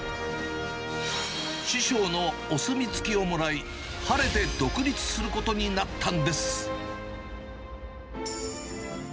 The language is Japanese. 師匠のお墨付きをもらい、晴れて独立することになったんです。